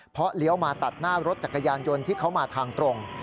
เพราะเลี้ยวมาตัดหน้ารถจักรยานยนต์ที่เขามาทางตรง